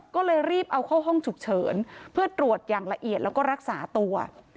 ก็เลยรีบเอาเข้าห้องฉุกเฉินเพื่อตรวจอย่างละเอียดแล้วก็รักษาตัว